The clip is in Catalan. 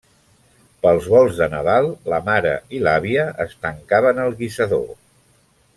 Pels volts de Nadal, la mare i l’àvia es tancaven al guisador.